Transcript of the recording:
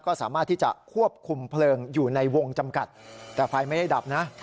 ก็สามารถที่จะควบคุมเพลิงอยู่ในวงจำกัดแต่ไฟไม่ได้ดับนะ